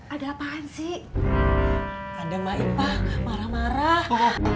ada apaan sih ada main marah marah